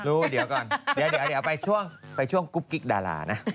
รู้เดี๋ยวก่อนเดี๋ยวไปช่วงไปช่วงกุ๊กกิ๊กดารานะ